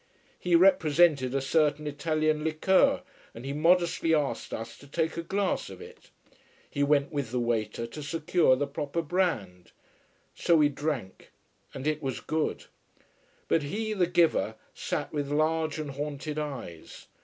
He represented a certain Italian liqueur, and he modestly asked us to take a glass of it. He went with the waiter to secure the proper brand. So we drank and it was good. But he, the giver, sat with large and haunted eyes.